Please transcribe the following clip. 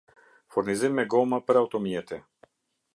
Furnizim me goma për automjete